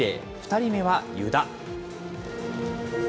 ２人目は湯田。